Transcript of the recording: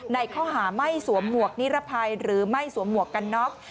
ในข้อหาไม่สวมหมวกนิรภัยหรือไม่สวมหมวกกันน็อก